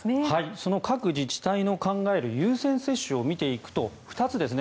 その各自治体の考える優先接種を見ていくと２つですね。